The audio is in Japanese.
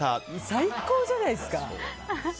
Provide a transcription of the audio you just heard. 最高じゃないですか。